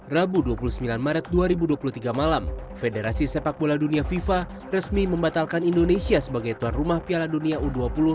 rabu dua puluh sembilan maret dua ribu dua puluh tiga malam federasi sepak bola dunia fifa resmi membatalkan indonesia sebagai tuan rumah piala dunia u dua puluh tiga